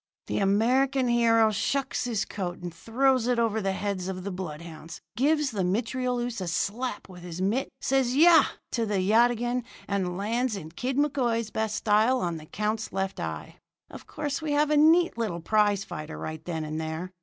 "The American hero shucks his coat and throws it over the heads of the bloodhounds, gives the mitrailleuse a slap with his mitt, says 'Yah!' to the yataghan, and lands in Kid McCoy's best style on the count's left eye. Of course, we have a neat little prize fight right then and there.